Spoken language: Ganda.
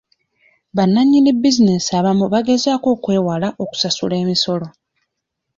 Bannanyini bizinensi abamu bagezaako okwewala okusasula emisolo.